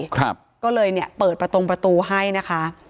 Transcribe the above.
ครับก็เลยเนี่ยเปิดประตงประตูให้นะคะ